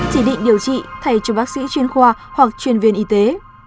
chỉ định điều trị thay cho bác sĩ chuyên khoa hoặc chuyên viên y tế